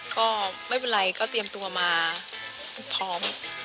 ก็ไม่เป็นไรก็เตรียมตัวมาพร้อม